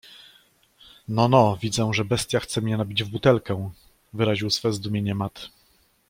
No, no widzę, że bestia chce mnie nabić w butelkę! - wyraził swe zdumienie Matt. -